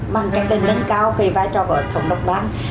bằng cái tên nâng cao cái vai trò của thống đốc bán